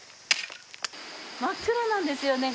真っ暗なんですよね